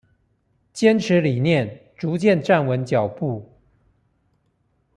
堅持理念，逐漸站穩腳步